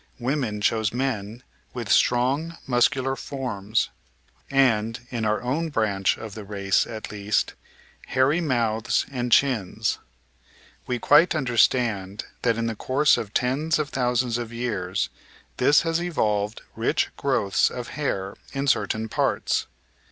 Women chose men with strong muscular forms and, in our own branch of the race at least, hairy mouths and chins. We quite understand that in the course of tens of thousands of years this has evolved rich growths of hair in certain parts.